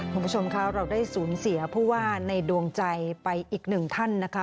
คุณผู้ชมคะเราได้สูญเสียผู้ว่าในดวงใจไปอีกหนึ่งท่านนะคะ